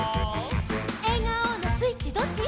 「えがおのスイッチどっち？」